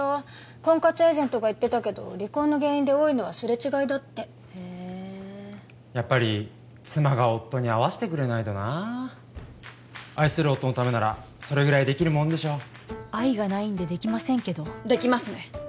婚活エージェントが言ってたけど離婚の原因で多いのはすれ違いだってへえやっぱり妻が夫に合わせてくれないとな愛する夫のためならそれぐらいできるもんでしょう愛がないんでできませんけどできますね